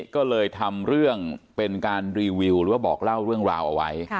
ก็เลยทำเรื่องเป็นการรีวิวหรือว่าบอกเล่าเรื่องราวเอาไว้